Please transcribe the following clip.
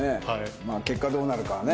まあ結果どうなるかはね。